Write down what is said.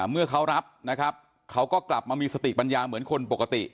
เมื่อเขารับนะครับเขาก็กลับมามีสติปัญญาเหมือนคนปกติ